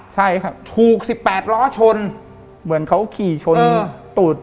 ใช่ค่ะถูกสิบแปดล้อชนเหมือนเขาขี่ชนตูด